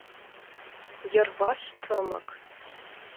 Йырваш тымык...